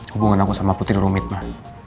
hubungan aku sama putri rumit ma